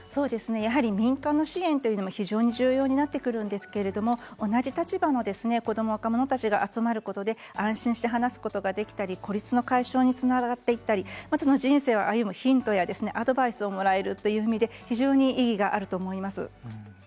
やはり民間の支援も非常に重要になってくるんですけれども同じ立場の子ども、若者たちが集まることで安心して話すことができたり孤立の解消につながっていったり人生を歩むヒントやアドバイスをもらえるという意味で非常に意義があると思います。